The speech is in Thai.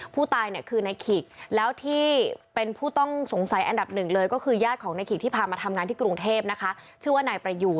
ผู้ตายเนี่ยคือนายขิกแล้วที่เป็นผู้ต้องสงสัยอันดับหนึ่งเลยก็คือญาติของนายขิกที่พามาทำงานที่กรุงเทพนะคะชื่อว่านายประยูน